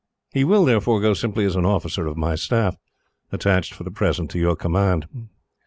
He will, therefore, go simply as an officer of my staff, attached for the present to your command.